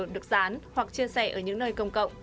được dán hoặc chia sẻ ở những nơi công cộng